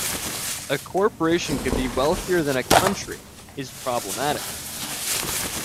"A corporation could be wealthier than a country" is problematic.